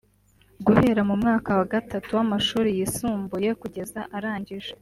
Guhera mu mwaka wa gatatu w’amashuri yisumbuye kugeza arangije